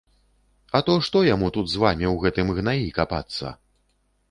А то што яму тут з вамі ў гэтым гнаі капацца?!